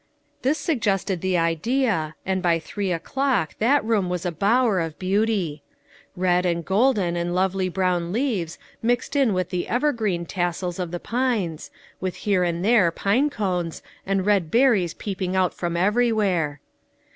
This suggested the idea, and by three o'clock that room was a bower of beauty. Red and golden and lovely brown leaves mixed in with the evergreen tas sels of the pines, witli here and there pine cones, and red berries peeping out from everywhere.